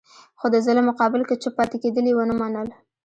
خو د ظلم مقابل کې چوپ پاتې کېدل یې ونه منل.